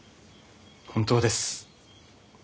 本当です。